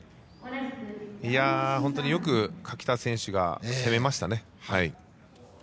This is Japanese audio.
本当によく垣田選手が攻めましたね。